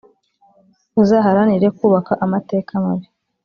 uzaharanire kubaka amateka mabi